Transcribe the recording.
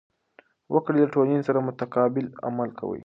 وګړي له ټولنې سره متقابل عمل کوي.